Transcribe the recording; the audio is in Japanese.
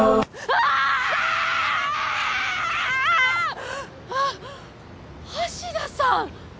あぁ橋田さん！